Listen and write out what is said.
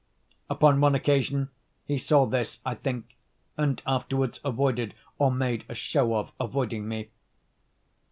Upon one occasion he saw this, I think, and afterwards avoided, or made a show of avoiding me.